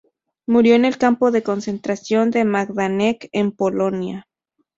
Murió en el campo de concentración de Majdanek, en Polonia.